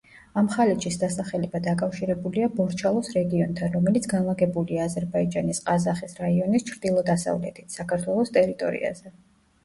ამ ხალიჩის დასახელება დაკავშირებულია ბორჩალოს რეგიონთან, რომელიც განლაგებულია აზერბაიჯანის ყაზახის რაიონის ჩრდილო-დასავლეთით, საქართველოს ტერიტორიაზე.